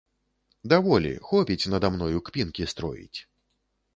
Даволі, хопіць нада мною кпінкі строіць.